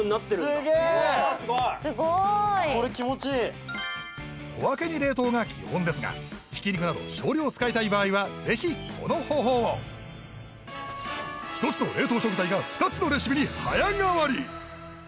すごい・これ気持ちいい小分けに冷凍が基本ですがひき肉など少量を使いたい場合はぜひこの方法を１つの冷凍食材が２つのレシピに早変わり